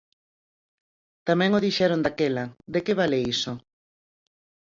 Tamén o dixeron daquela, ¿de que vale iso?